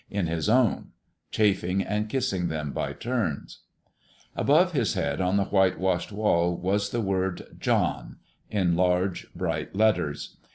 in his own, chafing and kissing them by turns. Above his head on the whitewashed wall was the word "John," in large, bright letters.